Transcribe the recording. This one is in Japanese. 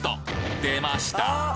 出ました！！